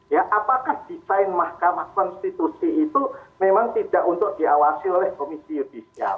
ya apakah desain mahkamah konstitusi itu memang tidak untuk diawasi oleh komisi judisial